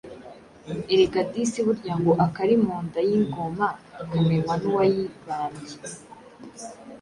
Erega disi burya ngo: “Akari mu nda y’ingoma kamenywa n’uwayibambye”!